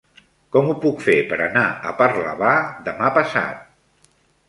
Com ho puc fer per anar a Parlavà demà passat?